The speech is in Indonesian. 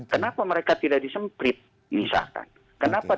kenapa mereka tidak disemprit misalkan